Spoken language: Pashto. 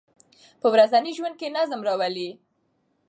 په ورځني ژوند کې نظم راولئ.